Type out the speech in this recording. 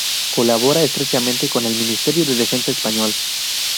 Colabora estrechamente con el ministerio de Defensa español.